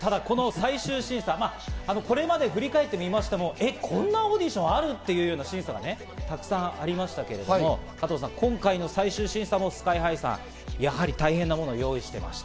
最終審査、これまでを振り返ってみましても、こんなオーディションある？っていう審査がたくさんありましたけど、加藤さん、今回の最終審査もＳＫＹ−ＨＩさん、やはり大変なものを用意していました。